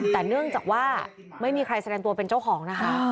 แต่เนื่องจากว่าไม่มีใครแสดงตัวเป็นเจ้าของนะคะ